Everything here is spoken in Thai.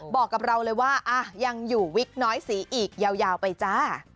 บอกกับเราเลยว่ายังอยู่วิกน้อยสีอีกยาวไปจ้า